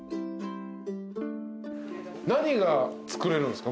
何が作れるんですか？